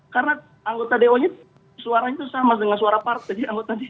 karena anggota dpr suaranya itu sama dengan suara partai